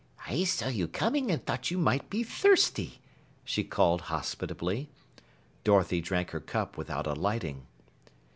"I saw you coming and thought you might be thirsty," she called hospitably. Dorothy drank her cup without alighting.